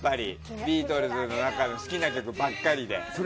ビートルズの曲好きな曲ばっかりで。